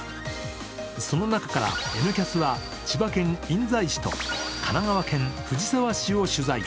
その中から「Ｎキャス」は千葉県印西市と神奈川県藤沢市を取材。